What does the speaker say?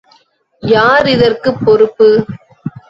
யார் இதற்குப் பொறுப்பு?